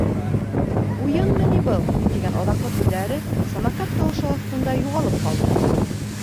Уйынмы ни был? -тигән аҙаҡҡы һүҙҙәре «самокат» тауышы аҫтында юғалып ҡалды.